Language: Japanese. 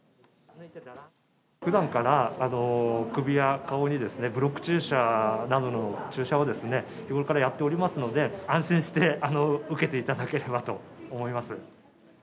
ふだんから首や顔に、ブロック注射などの注射を、日頃からやっておりますので、安心して受けていただければと思います。